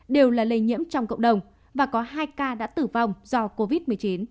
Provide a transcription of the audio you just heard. đều là lây nhiễm trong cộng đồng và có hai ca đã tử vong do covid một mươi chín